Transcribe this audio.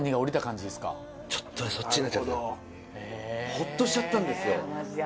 ホッとしちゃったんですよ。